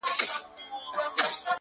• نظرمات ته یې په کار یو ګوندي راسي -